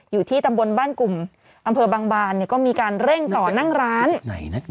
อยู่ที่ตำบลบ้านกลุ่มอำเภอบางบานก็มีการเร่งต่อนั่งร้าน